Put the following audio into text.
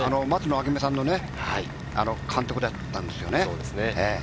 松野明美さんの監督だったんですよね。